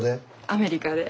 アメリカで。